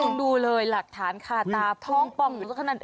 คุณดูเลยหลักฐานค่าตาท้องป่องหนูสักขนาดนี้